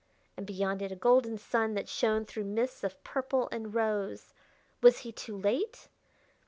and beyond it a golden sun that shone through mists of purple and rose! Was he too late?